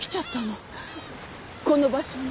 この場所に。